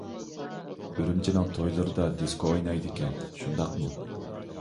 ئۈرۈمچىنىڭ تويلىرىدا دىسكو ئوينايدىكەن، شۇنداقمۇ؟